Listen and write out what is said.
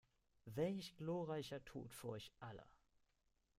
Welch glorreicher Tod für euch alle!